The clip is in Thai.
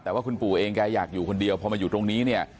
แต่ว่าคุณปู่เองแกอยากอยู่คนเดียวพอมาอยู่ตรงนี้เนี่ย